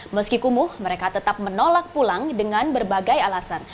meski kumuh mereka tetap menolak pulang dengan berbagai alasan